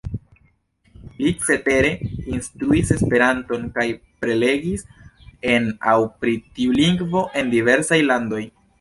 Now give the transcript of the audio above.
Li cetere instruis Esperanton kaj prelegis en aŭ pri tiu lingvo en diversaj landoj.